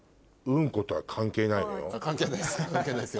関係ないですよ。